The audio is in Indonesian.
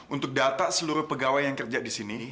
untuk data seluruh pegawai yang kerja di sini